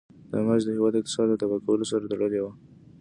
دا ماضي د هېواد اقتصاد له تباه کولو سره تړلې وه.